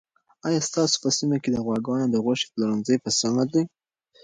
آیا ستاسو په سیمه کې د غواګانو د غوښې پلورنځي په سمه دي؟